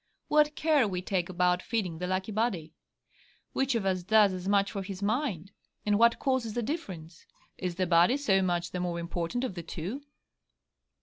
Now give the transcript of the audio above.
What care we take about feeding the lucky body! Which of us does as much for his mind? And what causes the difference? Is the body so much the more important of the two?